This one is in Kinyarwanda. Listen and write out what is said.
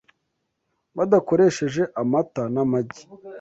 badakoresheje amata n’amagi